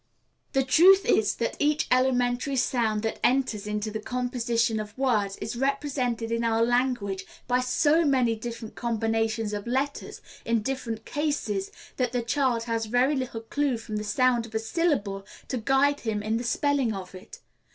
The truth is, that each elementary sound that enters into the composition of words is represented in our language by so many different combinations of letters, in different cases, that the child has very little clue from the sound of a syllable to guide him in the spelling of it.